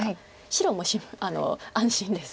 白も安心です。